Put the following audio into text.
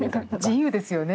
自由ですよね。